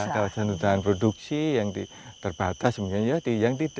kawasan hutan produksi yang terbatas mungkin